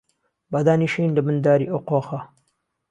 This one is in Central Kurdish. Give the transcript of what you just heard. با دانیشین له بن داری ئهو قۆخه